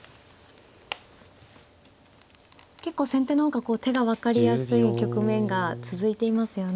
結構先手の方が手が分かりやすい局面が続いていますよね。